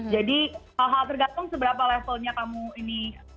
jadi hal hal tergantung seberapa levelnya kamu ini